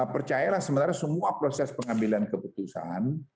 percayalah sebenarnya semua proses pengambilan keputusan